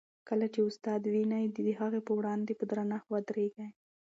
کله چي استاد وینئ، د هغه په وړاندې په درنښت ودریږئ.